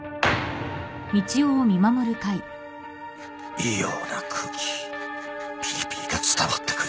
「異様な空気」「ピリピリが伝わってくる」